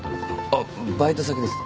あっバイト先です。